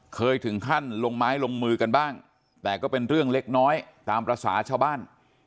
เคยถึงขั้นลงไม้ลงมือกันบ้างแต่ก็เป็นเรื่องเล็กน้อยตามภาษาชาวบ้าน